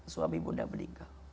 suami bunda meninggal